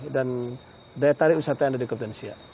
dan daya tarik wisatawan dari kabupaten siak